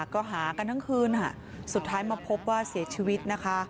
ก็หากันทั้งคืนสุดท้ายมาพบว่าเสียชีวิตนะคะ